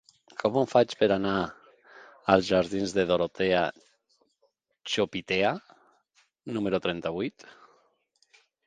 Com ho faig per anar als jardins de Dorotea Chopitea número trenta-vuit?